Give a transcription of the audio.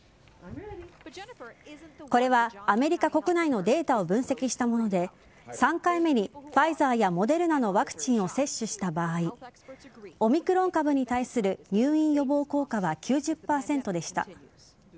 これはアメリカ国内のデータを分析したもので３回目に、ファイザーやモデルナのワクチンを接種した場合オミクロン株に対する入院予防効果は９０％でした。